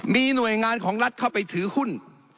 มีหน่วยงานของรัฐเข้าไปถือหุ้น